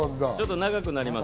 長くなります。